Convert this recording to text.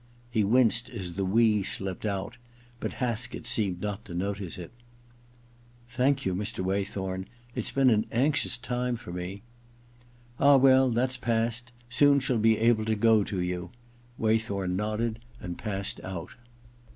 He winced as the we slipped out, but Haskett seemed not to notice it. * Thank you, Mr. Waythorn. It's been an anxious time for me.' * Ah, well, that's past. Soon she'll be able to go to you.' Waythorn nodded and passed out.